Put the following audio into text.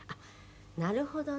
なるほどね。